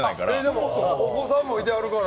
でも、お子さんもいてはるから。